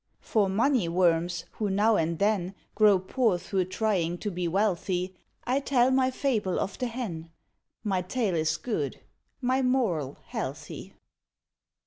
For money worms, who now and then Grow poor through trying to be wealthy, I tell my fable of the Hen; My tale is good, my moral healthy.